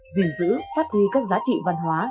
gìn giữ phát huy các giá trị văn hóa